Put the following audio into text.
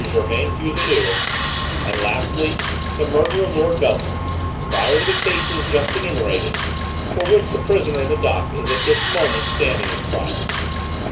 Germain Fuselier; and, lastly, the murder of Lord Beltham, prior to the cases just enumerated, for which the prisoner in the dock is at this moment standing his trial.